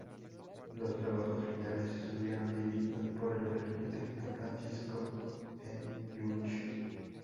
Los trabajos finales estuvieron dirigidos por el arquitecto Francisco J. Lluch.